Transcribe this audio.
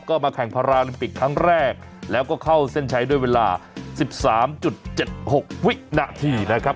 ก็มาแข่งพาราลิปิกครั้งแรกแล้วก็เข้าเส้นใช้ด้วยเวลาสิบสามจุดเจ็ดหกวินาทีนะครับ